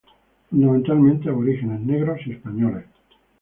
Fundamentalmente aborígenes, negros y españoles.